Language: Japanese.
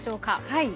はい。